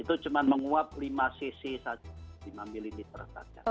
itu cuma menguap lima cc saja lima ml saja